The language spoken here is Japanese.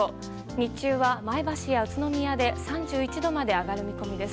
日中は前橋や宇都宮で３１度まで上がる見込みです。